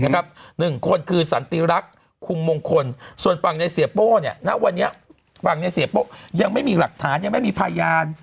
๑คนคือสันติรักษ์คุมงคลส่วนฝั่งในเสียบโป้ยังไม่มีหลักฐานไม่มีพยาน